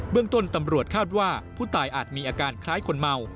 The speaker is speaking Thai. เรื่องต้นตำรวจคาดว่าผู้ตายอาจมีอาการคล้ายคนเมา